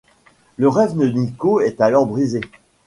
Le rêve de Niko est alors brisé.